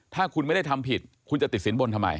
ถ้าคุณไม่ได้ทำผิดคุณจะติดสินบนทำไม